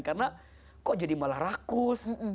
karena kok jadi malah rakus